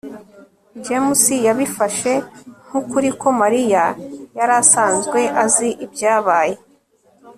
james yabifashe nk'ukuri ko mariya yari asanzwe azi ibyabaye